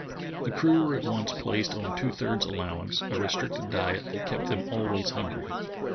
The crew were at once placed on two thirds allowance, a restricted diet that kept them always hungry.